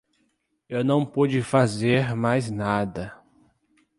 Eu não pude fazer mais nada.